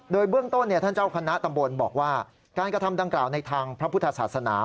โดยเบื้องต้นท่านเจ้าคณะตำบลบอกว่าการกระทำดังกล่าวในทางพระพุทธศาสนา